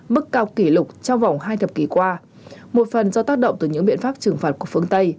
mức cao kỷ lục trong vòng hai thập kỷ qua một phần do tác động từ những biện pháp trừng phạt của phương tây